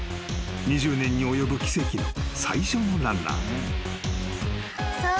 ［２０年に及ぶ奇跡の最初のランナー］